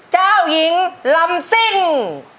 เจ้าหญิงลำซิ่ง